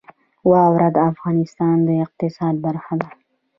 واوره د افغانستان د اقتصاد برخه ده.